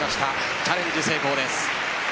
チャレンジ成功です。